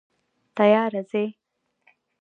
تیاره ځي